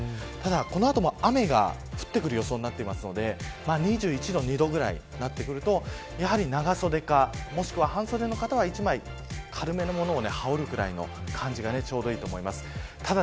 ただこの後も、雨が降ってくる予想になってきますので２１度、２２度くらいになってくるとやはり長袖かもしくは半袖の方は１枚軽めのものを羽織るくらいの感じがちょうどいいと思います。